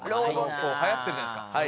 流行ってるじゃないですか。